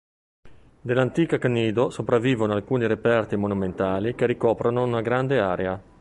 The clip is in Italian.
Dell'antica Cnido sopravvivono alcuni reperti monumentali che ricoprono una grande area.